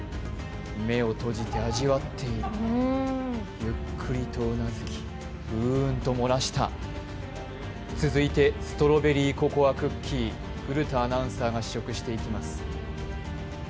目を閉じて、味わっているゆっくりと頷き、うーんと漏らした続いてストロベリーココアクッキー、古田アナウンサーが試食していきます。